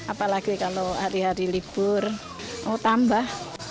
apalagi kalau hari hari libur mau tambah